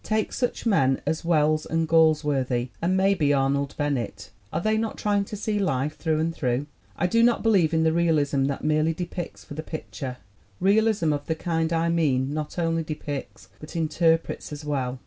Take such men as Wells and Galsworthy and maybe Arnold Bennett; are they not trying to see life through and through? I do not believe in the realism that merely depicts for the pic ture. Realism of the kind I mean not only depicts, but interprets as well."